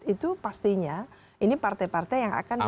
itu pastinya ini partai partai yang akan